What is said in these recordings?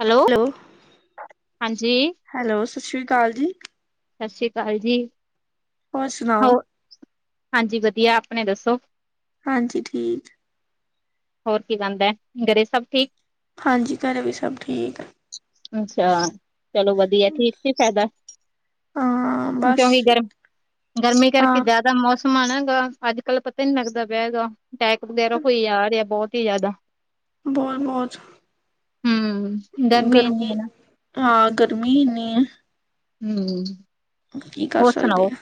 Hello ਹਾਂਜੀ। Hello ਸਸਿਰੀ ਅਕਾਲ ਜੀ ਸਤਿ ਸ਼੍ਰੀ ਅਕਾਲ ਜੀ। ਹੋਰ ਸੁਣਾਓ। ਹੋਰ ਹਾਂਜੀ ਵਦੀਆ ਆਪਨੇ ਦੱਸੋ। ਹਾਂਜੀ ਠੀਕ। ਹੋਰ ਕੀ ਬਨਦਾ ਏ ਘਰੇ ਸਭ ਠੀਕ ਹਾਂਜੀ ਘਰੇ ਵੀ ਸਭ ਠੀਕ ਐ ਅੱਛਾ, ਚਲੋ ਵਧੀਆ ਠੀਕ ਚ, ਹੀ ਫਾਇਦਾ ਹਾਂ ਬਸ ਕਿਉਂਕਿ, ਗਰਮ ਗਰਮੀ ਕਰਕੇ, ਹਾਂ ਜ਼ਿਆਦਾ ਦਾ ਮੌਸਮ ਆਣਾ ਹੈਗਾ, ਅੱਜ- ਕੱਲ੍ਹ ਪਤਾ ਹੀ ਨੀ ਲੱਗਦਾ ਪਿਆ ਹੈਗਾ ਅਟੈਕ ਵਗੈਰਾ, ਹੋਈ ਆ ਰਿਹਾ ਬਹੁਤ ਹੀ ਜ਼ਿਆਦਾ ਬਹੁਤ- ਬਹੁਤ ਹੂੰ ਇੰਨੀ ਹੈ ਗਰਮੀ ਨਾ ਹਾਂ ਗਰਮੀ, ਇੰਨੀਂ ਆ ਹੂੰ। ਕੀ ਕਰ ਹੋਰ ਸਕਦੇ ਸੁਣਾਓ ਆ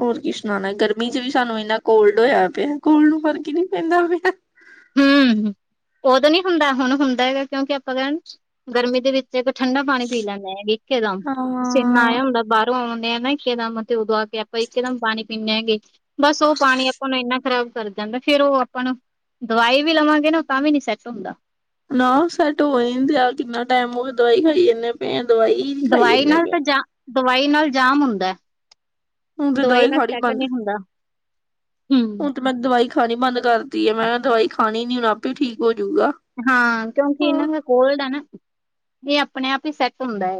ਹੋਰ ਕੀ ਸੁਣਾਉਣਾ, ਗਰਮੀ ਚ ਵੀ ਸਾਨੂੰ ਇੰਨਾ ਕੋਲਡ ਹੋਇਆ ਪਿਆ, ਕੋਲਡ ਨੂੰ ਫਰਕ ਹੀ ਨਹੀਂ ਪੈਂਦਾ ਪਿਆ ਹੂੰ, ਉਹ ਤੇ ਨਈ ਹੁੰਦਾ ਹੁਣ ਹੁੰਦਾ ਹੈਗਾ ਕਿਉਂਕਿ, ਆਪਾਂ ਕਹਿਣ ਗਰਮੀ ਦੇ ਵਿੱਚ। ਜੇ ਕੋ ਠੰਡਾ ਪਾਣੀ ਪੀਣਾ, ਇੱਕੋ ਦਮ ਹਾਂ। ਪਸੀਨਾ ਆਇਆ ਹੁੰਦਾ ਬਾਹਰੋਂ ਆਉਂਦੇ ਆ ਨਾ ਇੱਕੇ ਦਮ, ਤੇ ਉਦਵਾ ਕੇ ਆਪਾਂ ਇੱਕੇ ਦਮ, ਪਾਣੀ ਪੀਂਦੇ ਹਾਂਗੇ ਬਸ ਉਹ ਪਾਣੀ ਆਪਾਂ ਨੂੰ, ਇੰਨਾ ਖ਼ਰਾਬ ਕਰਦਾ ਫ਼ੇਰ ਉਹ ਆਪਾਂ ਨੂੰ ਦਵਾਈ ਵੀ ਲਵਾਂਗੇ ਨਾ, ਤਾਂ ਵੀ ਨੀ ਸੈੱਟ ਹੁੰਦਾ ਨਾ ਸੈੱਟ ਹੋ ਹੀ ਨਈ ਰਿਹਾ, ਆ ਕਿੰਨਾ ਟਾਈਮ ਹੋ ਦਵਾਈ ਖਾਈ ਜਾਂਦੇ, ਪਏ, ਦਵਾਈ ਹੀ ਖਾਈ ਦਵਾਈ ਜਾਂਦੇ ਨਾਲ ਪਏ। ਤਾਂ ਜਾ, ਦਵਾਈ ਨਾਲ ਜਾਮ ਹੁੰਦਾ ਹੁਣ ਤੇ ਦਵਾਈ ਨਾਲ, ਖਾਣੀ ਸੈਟ ਬੰਦ ਨਹੀਂ ਹੁੰਦਾ ਹੂੰ। ਹੁਣ ਤੇ ਮੈਂ ਦਵਾਈ ਖਾਣੀ ਬੰਦ ਕਰਤੀ ਏ, ਮੈਂ ਦਵਾਈ ਖਾਣੀ ਨਈ, ਹੁਣ ਆਪੇ ਠੀਕ ਹੋਜੂਗਾ ਹਾਂ ਕਿਉਂਕਿ, ਹਾਂ ਇਹਨਾਂ ਦਾ ਕੋਲਡ ਆ ਨਾ, ਇਹ ਆਪਣੇ -ਆਪ ਹੀ ਸੈੱਟ ਹੁੰਦਾ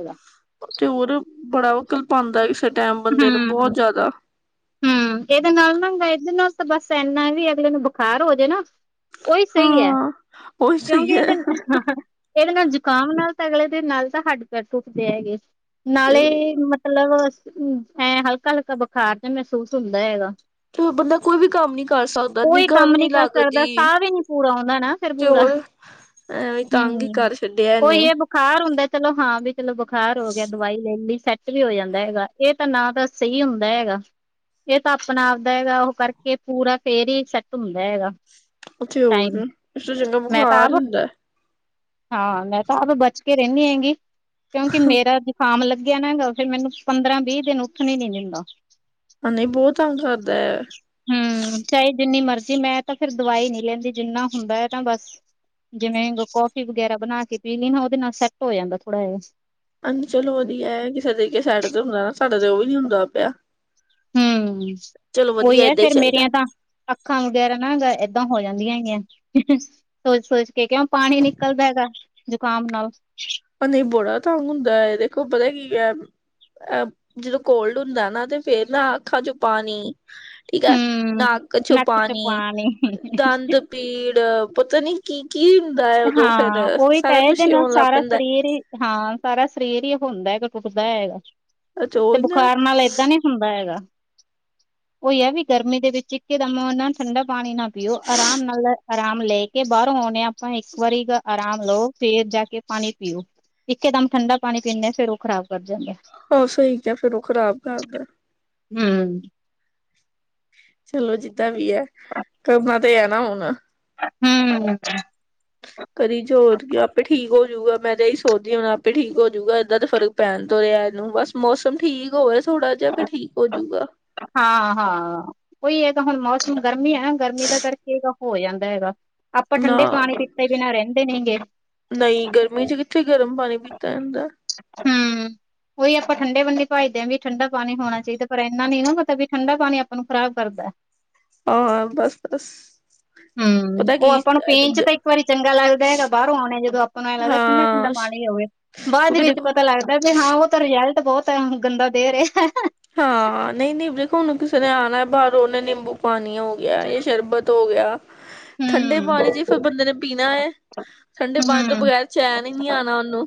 ਤੇ ਹੋਰ ਬੜਾ ਕੱਲਪਾਦਾ, ਕਿਸੇ ਟਾਈਮ ਬੰਦੇ ਨੂੰ ਹੂੰ। ਬਹੁਤ ਜ਼ਿਆਦਾ ਹੂੰ ਇਹਦੇ ਨਾਲ ਨਾ ਦੇ ਨਾਲ, ਤਾਂ ਬਸ ਇੰਨਾ ਵੀ ਅਗਲੇ ਨੂੰ ਬੁਖਾਰ ਹੋ ਜਾ ਨਾ ਉਹੀ ਸਹੀ ਹੈ, ਹਾਂ ਉਹੀ ਕਿਉਂਕਿ ਸਹੀ ਹੈ ਇਹਦੇ ਇਹਦੇ ਨਾਲ ਜ਼ੁਕਾਮ ਨਾਲ ਤਾਂ, ਅਗਲੇ ਦੇ ਨਾਲ ਤਾਂ ਹੱਡ -ਪੈਰ ਟੁੱਟਦੇ ਹੈਗੇ ਤੇ ਨਾਲੇ ਮਤਲਬ ਐ, ਹਲਕਾ- ਹਲਕਾ ਜਿਹਾ ਬੁਖਾਰ ਮਹਿਸੂਸ ਹੁੰਦਾ ਹੈਗਾ ਤੇ ਬੰਦਾ ਕੋਈ ਵੀ ਕੰਮ ਨੀ ਕਰ ਸਕਦਾ ਕੋਈ ਨਿਗਾਹ ਕੰਮ ਵੀ ਨੀ ਕਰ ਸਕਦਾ, ਲੱਗਦੀ ਸਾਹ ਵੀ ਨਈ ਪੂਰਾ ਆਉਂਦਾ ਨਾ ਫਿਰ ਤੇ ਪੂਰਾ, ਹੋਰ ਐਵੇਂ ਤੰਗ ਹੀ ਹਮ ਕਰ ਛੱਡਿਆ ਇਹਨੇ ਉਹੀ ਏ ਬੁਖਾਰ ਹੁੰਦਾ, ਚਲੋ ਹਾਂ ਵੀ ਚਲੋ ਬੁਖਾਰ ਹੋ ਗਿਆ ਦਵਾਈ ਲੈ ਲਈ, ਸੈੱਟ ਵੀ ਹੋ ਜਾਂਦਾ ਹੈਗਾ ਇਹ ਤਾਂ ਨਾ ਦਾਂ, ਸਹੀ ਹੁੰਦਾ ਹੈਗਾ ਇਹ ਤਾਂ ਆਪਣਾ- ਆਪਦਾ ਹੈਗਾ, ਉਹ ਕਰਕੇ ਪੂਰਾ ਫੇਰ ਹੀ ਸੈਟ ਹੁੰਦਾ ਹੈਗਾ ਉੱਥੇ ਟਾਈਮ ਹੋਰ, ਇਸ ਤੋਂ ਚੰਗਾ ਮੈਂ ਤਾਂ ਬੁਖ਼ਾਰ ਆਪ ਹੁੰਦਾ ਹਾਂ ਮੈਂ ਤਾਂ ਆਪ, ਬਚ ਕੇ ਰਹਿੰਦੀ ਹੈਂਗੀ, ਕਿਉਂਕਿ ਮੇਰਾ ਜੁਕਾਮ ਲੱ ਜੇ ਲੱਗਿਆ ਨਾ, ਫਿਰ ਮੈਨੂੰ ਪੰਦਰਾਂ- ਵੀਹ ਦਿਨ, ਉੱਠਣ ਹੀ ਨਈ ਦਿੰਦਾ ਹਾਂ, ਨਹੀਂ ਬਹੁਤ ਤੰਗ ਕਰਦਾ ਹਮ, ਚਾਹੇ ਜਿੰਨੀ ਮਰਜ਼ੀ, ਮੈਂ ਤਾਂ ਫਿਰ ਦਵਾਈ ਨਈ ਲੈਂਦੀ ਜਿੰਨਾ, ਹੁੰਦਾ ਹੈ ਨਾ ਬਸ ਜਿਵੇਂ ਕੋਫੀ ਵਗੈਰਾ ਬਣਾ ਕੇ ਪੀ ਲਈ ਨਾ, ਉਹਦੇ ਨਾਲ ਸੈੱਟ ਹੋ, ਜਾਂਦਾ ਥੋੜਾ ਜਿਹਾ ਹਾਜੀ, ਚਲੋ ਉਹਦੀ ਹੈ ਕਿਸੇ ਤਰੀਕੇ ਸਾਈਡ ਤੇ ਹੁੰਦਾ ਨਾ, ਸਾਡੇ ਤੇ ਉਹ ਵੀ ਨਈ ਹੁੰਦਾ ਪਿਆ ਹਮ, ਚਲੋ ਵਧੀਆ ਉਹੀ ਹੈ ਏਦਾਂ ਹੀ ਫੇਰ ਚਾਹੀਦਾ ਮੇਰੀਆਂ ਤਾਂ ਅੱਖਾਂ ਵਗੈਰਾ ਨਾ, ਏਦਾਂ ਹੋ ਜਾਂਦੀਆਂ ਹੈਗੀਆਂ ਸੋਚ -ਸੋਚ ਕੇ ਕਿਉਂ, ਪਾਣੀ ਨਿਕਲਦਾ ਹੈਗਾ ਜ਼ੁਕਾਮ ਨਾਲ ਨਹੀਂ, ਬੜਾ ਤੰਗ ਹੁੰਦਾ, ਇਹ ਦੇਖੋ ਪਤਾ ਕੀ ਐ ਅ ਜਦੋਂ ਕੋਲਡ ਹੁੰਦਾ ਨਾ, ਤੇ ਫੇਰ ਨਾ ਅੱਖਾਂ ਚੋਂ ਪਾਣੀ ਠੀਕ ਹੈ, ਨਕ ਚ ਪਾਣੀ, ਦੰਦ ਪੀੜ, ਪਤਾ ਨੀ ਕੀ ਕੀ ਹੁੰਦਾ ਹੈ ਉਦੋਂ ਫੇਰ, ਹਾਂ ਉਹੀ ਤਾਂ ਸਾਰਾ ਹੈ ਇਹਦੇ ਕੁਛ ਹੀ ਨਾਲ ਹੋਣ ਲੱਗ ਸਾਰਾ ਪੈਂਦਾ ਸਰੀਰ ਹੀ ਹਾਂ ਸਾਰਾ ਸਰੀਰ ਹੀ ਹੁੰਦਾ-ਹੁੰਦਾ ਤੇ ਉਹੀ ਨਾ ਬੁਖਾਰ ਨਾਲ ਏਦਾਂ ਨਈ ਖੰਬਾ ਹੈਗਾ, ਉਹੀ ਆ ਵੀ ਗਰਮੀ ਦੇ ਵਿੱਚ, ਇੱਕ ਕੇ ਦਮ, ਠੰਡਾ ਪਾਣੀ ਨਾ ਪੀਓ ਪੀਓ ਆਰਾਮ ਨਾਲ ਆਰਾਮ ਲੈ ਕੇ ਬਾਰੋਂ ਆਉਣੇ ਆ। ਤਾਂ ਇੱਕ ਵਾਰੀ ਆਰਾਮ ਲਓ ਫੇਰ ਜਾ ਕੇ ਪਾਣੀ ਪੀਓ। ਇਕੇਦਮ ਠੰਡਾ ਪਾਣੀ ਪੀਂਣੇ ਫਿਰ ਓ ਖਰਾਬ ਕਰ ਜਾਂਦੈ। ਆ ਸਈ ਕਿਆ ਫਿਰ ਓ ਖਰਾਬ ਕਰਦਾ। ਹੂੰ ਚਲੋ ਜਿੱਦਾਂ ਵੀ ਐ ਕਰਨਾ ਤੇ ਹੈ ਨਾ ਹੁਣ ਹੂੰ ਕਰੀ ਜੋਰ ਆਪੇ ਠੀਕ ਹੋਜੂਗਾ। ਮੈਂ ਤਾਂ ਇਹੀ ਸੋਚਦੀ ਹੁਣ ਆਪ ਹੀ ਠੀਕ ਹੋਜੂਗਾ ਏਦਾਂ ਤਾਂ ਫ਼ਰਕ ਪੈਣ ਤੋਂ ਰਿਆ ਇਨੂੰ ਬਸ ਮੌਸਮ ਠੀਕ ਹੋਵੇ। ਥੋੜਾ ਜਿਹਾ ਫਿਰ ਠੀਕ ਹੋਜੂਗਾ। ਹਾਂ-ਹਾਂ ਕੋਈ ਹੈਗਾ ਹੁਣ ਮੌਸਮ ਗਰਮੀ ਐ ਨਾ ਗਰਮੀ ਦਾ ਕਰਕੇ ਹੋ ਜਾਂਦਾ ਹੈਗਾ। ਆਪਾਂ ਨਾ ਠੰਡੇ ਪਾਣੀ ਪੀਤੇ ਬਿਨਾਂ ਰੈਂਦੇ ਨੇ ਗੇ। ਨਈ ਗਰਮੀ 'ਚ ਕਿੱਥੇ ਗਰਮ ਪਾਣੀ ਪੀਤਾ ਜਾਂਦਾ। ਹੂੰ ਉਹੀ ਆਪਾਂ ਠੰਡੇ ਵੰਡੀ ਭੱਜਦੇ ਆਂ ਵੀ ਠੰਡਾ ਪਾਣੀ ਹੋਣਾ ਚਾਈਦਾ ਪਰ ਇਨਾ ਨੀ ਨਾ ਤਾਂ ਵੀ ਠੰਡਾ ਪਾਣੀ ਆਪਾਂ ਨੂੰ ਖ਼ਰਾਬ ਕਰਦਾ। ਹਾਂ ਬਸ-ਬਸ ਹੂੰ। ਉਹ ਆਪਾਂ ਨੂੰ ਪੀਣ 'ਚ ਤਾਂ ਇੱਕ ਵਾਰੀ ਚੰਗਾ ਲੱਗਦਾ ਹੈਗਾ ਬਾਰੋਂ ਆਉਣੇ ਜਦੋਂ ਆਪਾਂ ਨੂੰ ਏ ਲੱਗਦਾ ਠੰਡਾ-ਠੰਡਾ ਹਾਂ ਪਾਣੀ ਹੋਵੇ। ਤੂੰ ਬਾਦ ਵੀ ਵਿੱਚ ਦੇਖੋ ਪਤਾ ਲੱਗਦਾ ਵੀ ਹਾਂ ਓ ਤਾਂ ਰਿਜਲਟ ਬੋਤ ਗੰਦਾ ਦੇ ਰਿਆ। ਹਾਂ ਨਈ-ਨਈ ਵੇਖੋ ਹੁਨ ਕਿਸੇ ਨੇ ਆਣਾ ਬਾਰੋ ਉਨੇ ਨਿੰਬੂ ਪਾਣੀ ਓ ਗਿਆ ਜਾਂ ਸ਼ਰਬਤ ਹੋ ਗਿਆ ਠੰਡੇ ਪਾਣੀ ਹੂੰ-ਹੂੰ-ਹੂੰ। 'ਚ ਫਿਰ ਬੰਦੇ ਨੇ ਪੀਣਾ ਏ ਠੰਡੇ ਪਾਣੀ ਤੋਂ ਬਗੈਰ ਚੈਨ ਈ ਨੀ ਆਉਣਾ ਉਨੂੰ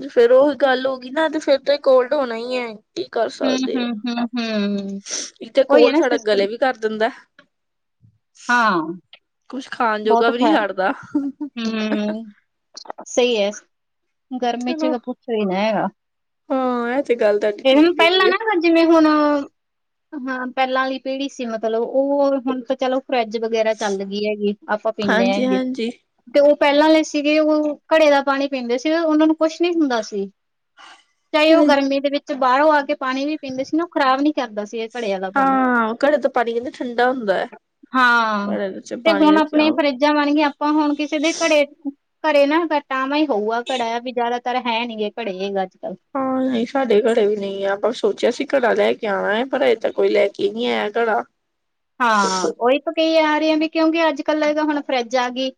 ਤੇ ਫਿਰ ਉਹੀ ਗੱਲ ਹੋ ਗਈ ਨਾ ਤੇ ਫਿਰ ਤੇ ਕੋਲਡ ਹੋਣਾ ਈ ਏ। ਹੂੰ-ਹੂੰ-ਹੂੰ ਇੱਕ ਕੋਲਡ ਸਾਡਾ ਗਲੇ ਵੀ ਕਰ ਦਿੰਦਾ। ਹਾਂ ਕੁਛ ਖਾਣ ਜੋਗਾ ਬੋਤ ਵੀ ਨਹੀਂ ਖਰ ਛੱਡਦਾ ਹੂੰ ਸਈ ਏ ਗਰਮੀ 'ਚ ਚਲੋ ਪੁਛੋ ਈ ਨੇ ਹੈਗਾ। ਹਾਂ ਇਹ ਤੇ ਗੱਲ ਤੁਹਾਡੀ ਏ ਠੀਕ ਹੈਗੀ ਪੈਲਾਂ ਹੈ ਨਾ ਜਿਵੇਂ ਹੁਣ ਹਾਂ ਪੈਲਾਂ ਆਲੀ ਪੀੜੀ ਸੀ ਮਤਲਬ ਓ ਹੁਣ ਤਾ ਚਲੋ। ਫਰਿੱਜ ਵਗੈਰਾ ਚੱਲ ਗਈ ਹੈਗੀ ਆਪਾਂ ਪੀਂਣੇ ਹਾਂਜੀ ਹੈਗੇ। ਹਾਂਜੀ ਤੇ ਓ ਪੈਲਾਂ ਸੀਗੇ ਓ ਘੜੇ ਦਾ ਪਾਣੀ ਪੀਂਦੇ ਸੀ ਉਨਾਂ ਨੂੰ ਕੁਛ ਨਈ ਹੁੰਦਾ ਸੀ। [inaudible] ਚਾਹੇ ਓ ਗਰਮੀ ਦੇ ਵਿੱਚ ਬਾਰੋਂ ਆ ਕੇ ਪਾਣੀ ਵੀ ਪੀਂਦੇ ਸੀ ਨਾ ਓ ਖਰਾਬ ਨੀ ਕਰਦਾ ਸੀ ਏ ਹਾਂ ਘੜੇ ਤੋਂ ਪਾਣੀ ਕੈਂਦੇ ਠੰਡਾ ਹੁੰਦਾ ਘੜੇ ਵਿਚ ਪਾਣੀ ਰ ਆਪਣੀਆਂ ਫਰਿੱਜਾਂ ਬਣਗੀਆਂ ਆਪਾਂ ਹੁਣ ਕਿਸੇ ਦੇ ਘਰੇ ਘੜੇ ਨਾ ਟਵਾਂ ਹੋਊਗਾ ਘੜਾ ਵੀ ਜਾਦਾ ਤਾ ਹੈ ਨੀ ਗੇ ਘੜੇ ਅੱਜ ਕੱਲ੍ਹ ਹਾਂ ਨਈ ਸਾਡੇ ਘਰੇ ਵੀ ਨਈ ਆ ਆਪਾਂ ਸੋਚਿਆ ਸੀ ਘੜਾ ਲੈ ਕੇ ਆਣਾ ਏ ਪਰ ਏ ਤਾਂ ਕੋਈ ਲੈ ਕੇ ਨਈ ਆਇਆ ਘੜਾ ਹਾਂ ਉਹੀ ਕਈ ਆ ਰਈ ਐ ਵੀ ਕਿਉਂਕਿ ਅੱਜ ਕੱਲ ਹੁਣ ਫਰਿੱਜ ਆ ਗਈ।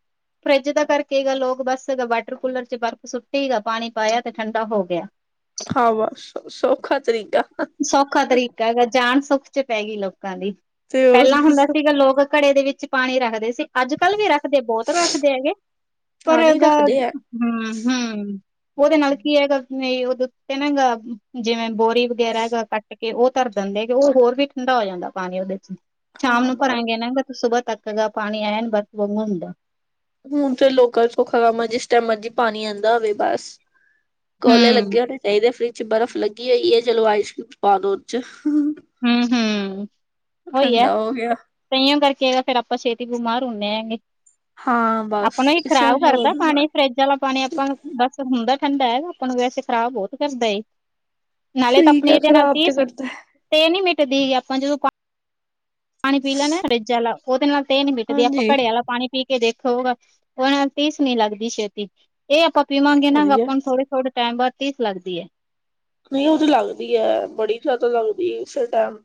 ਫਰਿੱਜ ਦਾ ਕਰਕੇ ਗੱਲ ਲੋਕ ਬਸ ਵਾਟਰ ਕੂਲਰ 'ਚ ਬਰਫ਼ ਸੁੱਟੀ ਗਾ ਪਾਣੀ ਪਾਇਆ ਤੇ ਠੰਡਾ ਹੋ ਗਿਆ। ਹਾਂ ਬਸ ਸੌਖਾ ਤਰੀਕਾ ਸੌਖਾ ਤਰੀਕਾ ਹੈਗਾ ਜਾਨ ਸੁੱਖ 'ਚ ਪੈ ਗਈ ਲੋਕਾਂ ਦੀ ਤੇ ਹੋਰ ਪੈਲਾਂ ਹੁੰਦਾ ਸੀਗਾ ਲੋਕ ਘੜੇ ਦੇ ਵਿੱਚ ਪਾਣੀ ਰੱਖਦੇ ਸੀ। ਅੱਜ ਕੱਲ੍ਹ ਵੀ ਰੱਖਦੇ ਬੋਤ ਰੱਖਦੇ ਹੈਗੇ ਪਰ ਪਾਣੀ ਰੱਖਦੇ ਆ ਹਮ -ਹਮ ਉਹਦੇ ਨਾਲ ਕੀ ਹੈਗਾ ਉਹਦੇ ਉੱਤੇ ਨਾਗਾ ਜਿਵੇਂ ਬੋਰੀ। ਹੈਗਾ ਕੱਟ ਕੇ ਉਹ ਧਰ ਦਿੰਦੇ ਹੈਗੇ ਉਹ ਹੋਰ ਵੀ ਠੰਡਾ ਹੋ ਜਾਂਦਾ ਪਾਣੀ ਉਹਦੇ ਚ। ਸ਼ਾਮ ਹਾਂ ਨੂੰ ਬਸ ਭਰਾਂਗੇ ਨਾ ਸੁਬਾਹ ਤੱਕ ਪਾਣੀ ਐਂਣ ਬਰਫ ਵਾਗੂੰ ਹੁਦੈ। ਹੁਣ ਤੇ ਲੋਕਾਂ ਸੌਖਾ ਕੰਮ ਹੈ ਜਿਸ ਟਾਈਮ ਮਰਜੀ ਪਾਣੀ ਆਉਂਦਾ ਹੋਵੇ ਬਸ। ਕੋਲੇ ਹੂੰ, ਲੱਗੇ ਹੋਣੇ ਚਾਹੀਦੇ ਫਰਿਜ ਚ ਬਰਫ਼ ਲੱਗੀ ਹੋਈ ਹੈ ਚਲੋ ਆਈਸਕ੍ਰੀਮ ਪਾਲੋ ਚ। ਹਮ ਹਮ ਉਹੀ ਹੈ। ਠੰਡਾ ਹੋ ਗਿਆ ਤਇੳ ਕਰਕੇ ਫੇਰ ਆਪਾਂ ਛੇਤੀ ਬਿਮਾਰ ਹੁੰਦੇ ਹਾਂ। ਹਾਂ ਬਸ ਆਪਣਾ ਹੀ ਇਸ ਖ਼ਰਾਬ ਕਰਦਾ ਪਾਣੀ ਫਰਿੱਜ। ਪਾਣੀ ਆਪਾਂ ਨੂੰ ਬਸ ਹੁੰਦਾ ਠੰਡਾ ਹੈ ਆਪਾਂ ਨੂੰ ਵੈਸੇ ਖ਼ਰਾਬ ਬਹੁਤ ਕਰਦਾ ਏ। ਨਾਲੇ ਤਾਂ ਸਹੀ ਆਪਣੀ ਕਿਹਾ ਇਹਦੇ ਨਾਲ ਖ਼ਰਾਬ ਤੇ ਤੀਸ ਕਰਦਾ ਹੈ। ਤ੍ਏਹ ਤੇ ਨੀ ਮਿਟਦੀ ਆਪਾਂ ਜਦੋਂ। ਪਾਣੀ ਪੀ ਲੇਨੇਆ ਫਰੇਜ ਵਾਲਾ ਉਹਦੇ ਨਾਲ ਤਰੇਹ ਨੀ ਮਿਟਦੀ ਆਪ ਹਾਂਜੀ ਕੜੇਆਲਾ ਪਾਣੀ। ਪੀ ਕੇ ਦੇਖੋ ਉਹ ਨਾਲ ਤੀਸ ਨਹੀਂ ਲੱਗਦੀ ਛੇਤੀ। ਇਹ ਆਪਾਂ ਪੀਵਾਂਗੇ ਨਾ ਵਧੀਆ ਆਪਾਂ ਥੋੜੇ -ਥੋੜੇ ਟੈਮ ਬਾਅਦ ਤੀਸ ਲੱਗ ਜੇਗੀ। ਨਹੀਂ ਉਹਦੀ ਲੱਗਦੀ ਹੈ ਬੜੀ ਜ਼ਿਆਦਾ ਲੱਗਦੀ ਐ ਉਸੇ ਟਾਈਮ।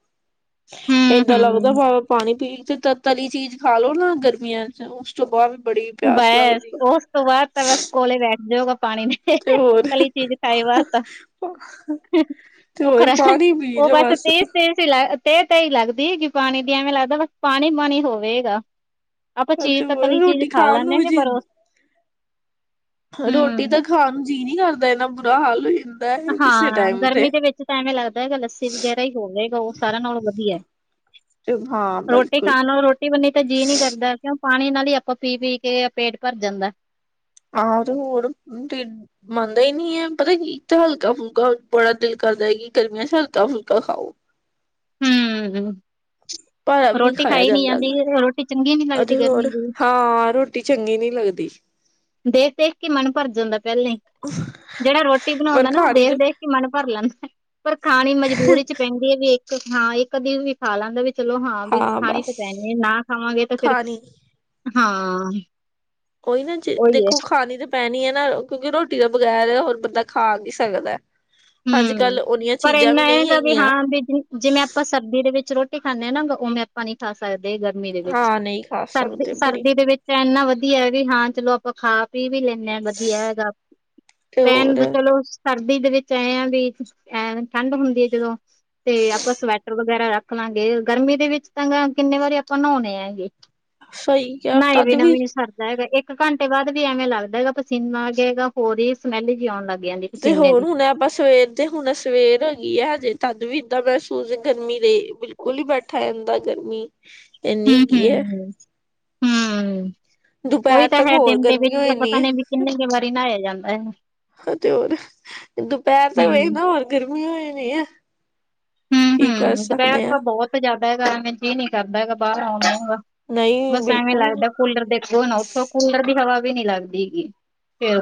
ਏਦਾਂ ਲੱਗਦਾ ਹੂੰ-ਹੂੰ, ਵਾਵਾ ਪਾਣੀ ਪੀ ਤੇ ਤ ਤਲੀ ਚੀਜ਼ ਖਾ ਲੋਓ ਨਾ ਗਰਮੀਆਂ। ਉਸ ਤੋਂ ਬਾਅਦ ਬੜੀ ਪਿਆਸ ਬਸ ਲੱਗਦੀ। ਉਸ ਤੋਂ ਬਾਅਦ ਤਾਂ ਬਸ ਕੋਲੇ ਬੈਠ ਜਾਊਗਾ ਪਾਣੀ ਨੇ ਤੇ ਹੋਰ ਤਲੀ ਚੀਜ਼ ਖਾਈ ਵਾਸ। ਤੇ ਉਹ ਹੋਰ ਖਰਾ ਪਾਣੀ ਪੀ ਉਹ ਜਾ ਬਸ ਤੇਜ ਤੇਜ਼ ਹੀ। ਤੇ ਤੇਹੀ ਲੱਗਦੀ ਕਿ ਪਾਣੀ ਦੀ ਐਵੇਂ ਲੱਗਦਾ ਬਸ ਪਾਣੀ ਪਾਣੀ ਹੋਵੇਗਾ। ਆਪਾਂ ਚੀਜ਼ ਤੇ ਹੋਰ ਤਲੀ ਚੀਜ਼ ਰੋਟੀ ਖਾ ਖਾਣ ਨੂੰ ਲੈਂਦੇ ਵੀ ਹ ਜੀ ਪਰ ਰੋਟੀ ਹਮ ਤਾਂ ਖਾਣ ਜੀਅ ਨੀ ਕਰਦਾ ਇਨਾ ਬੁਰਾ ਹਾਲ ਏ। ਹਾਂ ਗਰਮੀ ਦੇ ਵਿੱਚ ਤਾਂ ਐਵੇਂ ਲੱਗਦਾ ਹੈਗਾ ਲੱਸੀ ਵਗੈਰਾ ਹੀ ਹੋਵੇਗਾ ਉਹ ਸਾਰਿਆਂ ਨਾਲੋਂ ਵਧੀਐ। ਹਾਂ ਬਿਲਕੁਲ। ਨੂੰ ਰੋਟੀ ਬੰਨੀ ਤਾਂ ਜੀਅ ਨੀ ਕਰਦਾ ਕਿਉਂ ਪਾਣੀ ਨਾਲ ਹੀ ਆਪਾਂ ਪੀ ਪੀ ਕੇ ਪੇਟ ਭਰ ਜਾਂਦੈ। ਆ ਤੇ ਹੋਰ। ਮੰਨਦਾ ਹੀ ਨਹੀਂ ਹੈ ਪਤਾ ਕੀ ਇੱਕ ਤਾਂ ਹਲਕਾ ਫੁਲਕਾ ਬੜਾ ਦਿਲ ਕਰਦਾ ਹੈ ਕਿ ਗਰਮੀਆਂ ਚ ਹਲਕਾ ਫੁਲਕਾ ਖਾਓ। ਹਮ। ਭਾਰਾ ਵੀ ਨਹੀਂ ਰੋਟੀ ਖਾਇਆ ਖਾਈ ਨੀ ਜਾਂਦਾ ਜਾਂਦੀ ਰੋਟੀ ਚੰਗੀ ਨੀ ਲੱਗਦੀ ਅਤੇ ਗਰਮੀ ਹੋਰ ਦੀ ਹਾਂ। ਰਟੀ ਚੰਗੀ ਨੀ ਲੱਗਦੀ ਦੇਖ -ਦੇਖ ਕੇ ਮਨ ਭਰ ਜਾਂਦਾ ਪਹਿਲੇ ਹੀ ਜਿਹੜਾ ਰੋਟੀ ਪਰ ਬਣਾਉਂਦਾ ਨਾ ਉਹ ਖਾਣੀ ਤੇ ਦੇਖ ਕੇ ਮਨ ਭਰ ਲੈਂਦਾ ਪਰ ਖਾਣੀ ਮਜਬੂਰੀ ਚ ਪੈਂਦੀ ਹੈ। ਹਾਂ ਇੱਕ ਅਧੀ ਵੀ ਖਾ ਲੈਂਦਾ ਵੀ ਚਲੋ ਹਾਂ ਵੀ ਖਾਣੀ ਤਾਂ ਪੈਣੀ ਆ ਨਾ ਖਾਵਾਂਗੇ ਤੇ ਫਿਰ। ਖਾਣੀ ਹਾਂ। ਉਹੀ ਈ ਨਾ ਜੇ ਉਹੀ ਹੈ ਦੇਖੋ ਖਾਨੀ ਤੇ। ਪੈਨੀ ਏ ਨਾ ਕਿਉਂਕਿ ਰੋਟੀ ਦੇ ਬਗੈਰ ਹੋਰ ਬੰਦਾ ਖਾ ਕੀ ਸਕਦਾ। ਅੱਜ ਹਮ ਕੱਲ੍ਹ ਓਨੀਆ ਪਰ ਚੀਜ਼ਾਂ ਇੰਨਾ ਵੀ ਨਈ ਹੈਗਾ ਹੈਗੀਆਂ। ਹਾਂ ਵੀ ਜਿਵੇਂ ਆਪਾਂ ਸਰਦੀ ਦੇ ਵਿੱਚ ਰੋਟੀ ਖਾਂਨੇ ਆ ਨਾ ਉਵੇਂ ਆਪਾਂ ਨੀਂ ਖਾ ਸਕਦੇ। ਗਰਮੀ ਦੇ ਵਿੱਚ ਹਾਂ ਨਹੀਂ ਖਾ ਸਰਦੀ ਸਕਦੇ ਬੜੀ ਸਰਦੀ ਦੇ ਵਿੱਚ ਏਨਾ ਵਧੀਆ ਹੈ ਵੀ ਹਾਂ ਚਲੋ ਆਪਾਂ ਖਾ ਪੀ ਵੀ ਲੈਂ। ਵਧੀਆ ਹੈਗਾ ਤੇ ਹੋਰ ਪੈਨ ਚਲੋ ਸਰਦੀ ਦੇ ਵਿੱਚ। ਚਾਇਯਾਂ ਵੀ ਹੈ ਠੰਡ ਹੁੰਦੀ ਏ ਜਦੋਂ ਤੇ ਆਪਾਂ ਸਵੈਟਰ ਵਗੈਰਾ ਨਿਕਲਾਂਗੇ ਗਰਮੀ ਦੇ ਵਿੱਚ ਤਾਂ ਕਿੰਨੇ ਵਾਰੀ ਆਪਾਂ ਨੋਨੇ ਹੈ ਜੀ। ਸਹੀ ਕਿਹਾ ਨਾਏ ਤਦ ਵਿਨਾਂ ਵੀ ਨੀ ਸਾਰ। ਦਾ ਹੈਗਾ ਇੱਕ ਕੱਟੇ ਬਾੱਦ ਵੀ ਐਵੇਂ ਲੱਗਦਾ ਹੈਗਾ ਪਸੀਨਾ ਹੈਗੇ ਹੈਗਾ ਹੋਰ ਈ ਸਮੈਲ ਜੀ ਆਨ ਲੱਗਦਾ। ਤੇ ਹੋਰ ਹੁਨ ਏ ਆਪਾਂ ਸਵੇਰ। ਤੇ ਹੁੂਨੰ ਸਵੇਰ ਹੋ ਗਈ ਐ ਹਜੇ ਤਦ ਵੀ ਏਦਾਂ ਮੈਹਸੂਸ ਗਰਮੀ ਦੇ ਬਿਲਕੁਲ ਈ ਬੈਠਾ ਯਾਦਾ ਗਰਮੀ। ਹੂੰ, ਇੰਨੀ ਹੈਗੀ ਹੈ ਹੂੰ, ਹੂੰ ਓਈ ਦੁਪਹਿਰ ਤਾ‌ ਤੱਕ ਹੈ, ਹੋਰ ਦਿਨ ਦੇ ਗਰਮੀ ਵਿੱਚ ਹੋ ਤਾ ਜਾਣੀ ਪਤਾ ਨੀ ਵੀ ਕਿੰਨੇ ਕ ਵਾਰੀ ਨਹਾਇਆ ਜਾਂਦਾ ਹੈ। ਹਾਂ ਤੇ ਹੋਰ, ਦੁਪਹਿਰ ਤਕ ਵੇਖ ਨਾ ਹੂੰ-ਹੂੰ-ਹੂੰ ਹੋਰ ਗਰਮੀ ਹੋ ਜਾਣੀ ਆ। ਹੂੰ, ਹੂੰ ਦੁਪਹਿਰ ਤਾਂ ਬੋਤ ਜ਼ਾਦਾ ਹੈਗਾ ਐਵੇਂ ਜੀ ਨੀ ਕਰਦਾ ਹੈਗਾ ਬਾਰ ਆਉਣ ਨੂੰ। ਨਹੀਂ ਬਸ ਐਵੇਂ ਬਿਲਕੁਲ ਲੱਗਦਾ ਕੂਲਰ ਦੇ ਅੱਗਿਓ ਨਾ ਸਗੋ ਕੂਲਰ ਦੀ ਹਵਾ ਵੀ ਨੀ ਲੱਗਦੀ ਹੈਗੀ, ਫਿਰ।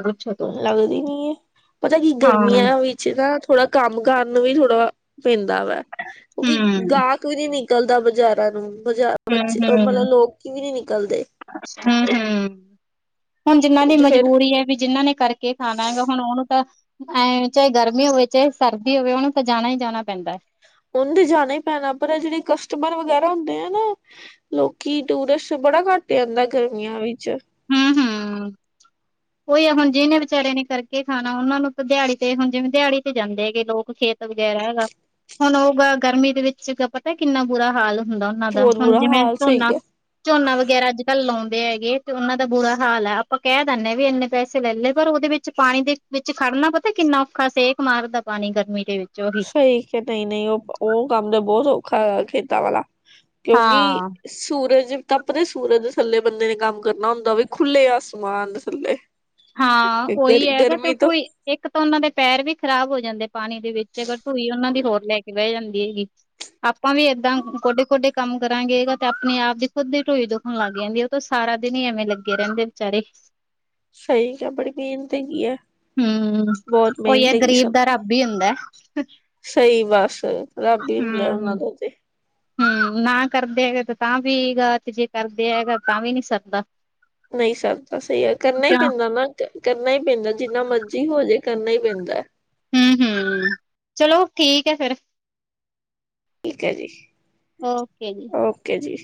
ਲੱਗਦੀ ਨੀ ਏ, ਪਤਾ ਕੀ ਹਾਂ ਗਰਮੀਆਂ ਵੀ ਚ ਨਾ, ਥੋੜਾ ਕੰਮ ਕਰਨ ਨੂੰ ਵੀ ਥੋੜਾ ਪੈਂਦਾ ਵਾ, ਕਿਉਂਕਿ ਗਾਕ ਕੀ ਜੀ ਨਿਕਲਦਾ ਬਜ਼ਾਰਾਂ ਨੂੰ। ਬ ਬੱਚੇ, ਮਤਲਬ ਹੂੰ-ਹੂੰ-ਹੂੰ-ਹੂੰ-ਹੂੰ। ਲੋਕੀ ਵੀ ਨੀ ਨਿਕਲਦੇ। ਹੁਣ ਜਿੰਨਾਂ ਦੀ ਤੇ ਫੇਰ ਮਜਬੂਰੀ ਏ, ਵੀ ਜਿਨਾਂ ਨੇ ਕਰਕੇ ਖਾਣਾ ਹੈਗਾ, ਹੁੂਣ ਉਹਨੂੰ ਤਾ ਐਂ ਚਾਏ ਗਰਮੀ ਹੋਵੇ, ਚਾਏ ਸਰਦੀ ਹੋਵੇ, ਉਹਨੂੰ ਤਾਂ ਜਾਨਾ ਈ ਜਾਨਾ ਪੈਂਦਾ। ਉਹਨੁ ਤੇ ਜਾਨਾ ਈ ਪੈਨਾ, ਪਰ ਆ ਜੇਹੜੇ ਕਸਟਮਰ ਵਗੈਰਾ ਹੁੰਦੇ ਆ ਨਾ ਲੋਕੀ ਟੂਰਿਸਟ ਬੜਾ ਘਟ ਜਾਂਦਾ ਗਰਮੀਆਂ ਵਿੱਚ। [inaudible] ਉਈ ਆ ਹੁੂੰਨ ਜਿਹਨੇ ਵਿਚਾਰੇ ਨੇ ਕਰਕੇ ਖਾਨਾ, ਉਹਨਾਂ ਨੂੰ ਦਿਹਾੜੀ ਤੇ ਹੁਨ ਜਿਵੇਂ ਦਿਹਾੜੀ ਤੇ ਜਾਂਦੇ ਹੈਗੇ ਲੋਕ ਖੇਤ ਵਗੈਰਾ ਹੈਗਾ, ਹੁਨ ਓ ਗਰਮੀ ਦੇ ਵਿੱਚ ਪਤਾ ਕਿੰਨਾ ਬੁਰਾ ਹਾਲ ਹੁੰਦਾ ਓਨਾਂ ਦਾ, ਬਹੁਤ ਹੁਨ ਬੁਰਾ ਜਿਵੇਂ ਹਾਲ ਸਹੀ ਝੋਨਾ, ਹੈ। ਝੋਨਾ ਵਗੈਰਾ ਅੱਜ-ਕੱਲ ਲਾਉਂਦੇ ਹੈਗੇ ਤੇ ਓਨਾਂ ਦਾ ਬੁਰਾ ਹਾਲ ਆ, ਆਪਾਂ ਕਹਿ ਦਿੰਨੇ ਆ, ਵੀ ਇੰਨੇ ਪੈਸੇ ਲੈ ਲਏ ਪਰ ਉਹਦੇ ਵਿੱਚ ਪਾਣੀ ਦੇ ਵਿੱਚ ਖੜਨਾ ਪਤਾ ਕਿੰਨਾ ਔਖਾ, ਸੇਕ ਮਾਰਦਾ ਪਾਨੀ ਗਰਮੀ ਦੇ ਵਿੱਚੋ ਓਹੀ। ਨਈ-ਨਈ, ਉਹ ਉਹ ਕੰਮ ਦਾ ਬੋਤ ਔਖਾ ਹੈਗਾ ਖੇਤਾਂ ਵਾਲਾ, ਕਿਉਂਕਿ ਹਾਂ ਸੂਰਜ ਤੱਪਦੇ ਸੂਰਜ ਥੱਲੇ ਬੰਦੇ ਨੇ ਕੰਮ ਕਰਨਾ ਹੁੰਦਾ‌ ਵੇ, ਖੁੱਲੇ ਆਸਮਾਨ ਦੇ ਥੱਲੇ। ਹਾਂ, ਗਰ ਓਈ ਹੈਗਾ ਗਰਮੀ ਤੋਂ ਤੇ ਇੱਕ ਤਾਂ ਓਨਾਂ ਦੇ ਪੈਰ ਵੀ ਖ਼ਰਾਬ ਹੋ ਜਾਂਦੇ ਪਾਨੀ ਦੇ ਵਿੱਚ, ਅਗਰ ਢੁਈ ਓਨਾਂ ਦੀ ਹੋਰ ਲੈਕੇ ਬੇ ਜਾਂਦੀ ਹੈਗੀ। ਆਪਾਂ ਵੀ ਏਦਾਂ ਕੋਡੇ-ਕੋਡੇ ਕੰਮ ਕਰਾਂਗੇ, ਤੇ ਆਪਨੇ-ਆਪ ਦੀ ਖੁੱਦ ਦੀ ਢੁਈ ਦੋ ਹੁਨ ਲੱਗ ਜਾਂਦੀ, ਓ ਤਾਂ ਸਾਰਾ ਦਿਨ ਈ ਐਵੇਂ ਲੱਗੇ ਰਹਿੰਦੇ ਵਿਚਾਰੇ। ਸਈ ਕਿਆ, ਬੜੀ ਮੇਹਨਤ ਹੈਗੀ ਐਂ। ਹੂੰ, ਓਈ ਐ ਗ਼ਰੀਬ ਦਾ ਦੀ ਰੱਬ ਈ ਹੁੰਦਾ। ਸਹੀ, ਬਸ ਹੂੰ ਹ [inaudible] ਹੂੰ, ਨਾ ਕਰਦੇ ਹੈਗੇ ਤੇ ਤਾਂ ਵੀ ਗਾ, ਤੇ ਜੇ ਕਰਦੇ ਹੈਗਾ ਤਾਂ ਵੀ ਨੀ ਸਰਦਾ। ਨਈ ਸਰਦਾ, ਸਈ ਆ, ਕਰਨਾ ਈ ਪੇਂਦਾ ਨਾ। ਕਰਨਾ ਈ ਪੈਂਦਾ, ਜਿੰਨਾ ਮਰਜ਼ੀ ਹੋਜੇ ਕਰਨਾ ਈ ਪੈਂਦਾ। ਹੂੰ, ਹੂੰ ਚਲੋ ਠੀਕ ਏ, ਫੇਰ‌। ਠੀਕ ਐ ਜੀ। ਓਕੇ ਜੀ। ਓਕੇ ਜੀ।